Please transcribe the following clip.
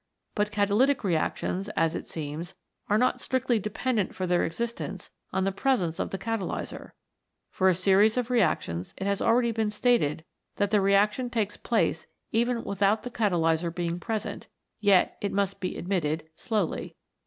But catalytic reactions, as it seems, are not strictly dependent for their existence on the presence of the catalyser. For a series of reactions it has already been stated that the reaction takes place even without the catalyser being present, yet, it must be admitted, slowly.